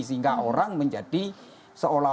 sehingga orang menjadi seolah olah